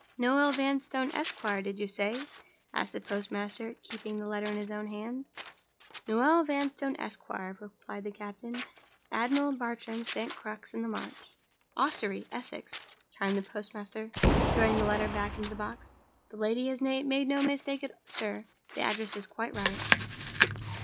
"'Noel Vanstone, Esquire,' did you say?" asked the postmaster, keeping the letter in his own hand. "'Noel Vanstone, Esquire,'" replied the captain, "'Admiral Bartram's, St. Crux in the Marsh.'" "Ossory, Essex," chimed in the postmaster, throwing the letter back into the box. "The lady has made no mistake, sir. The address is quite right."